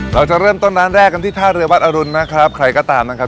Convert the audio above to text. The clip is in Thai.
เราจะเริ่มต้นร้านแรกกันที่ท่าเรือวัดอรุณนะครับใครก็ตามนะครับ